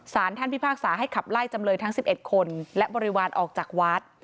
สารท่านพิพากษาให้ขับไล่จำเลยทั้ง๑๑คนและบริวารออกจากวัด